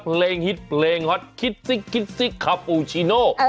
ฮิตเพลงฮอตคิดซิกคิดซิกคาปูชิโน